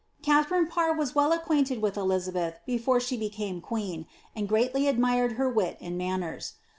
Katharine Parr was well acquainted with Elizabeth before ahe became queen, and greatly admired her wit and manners.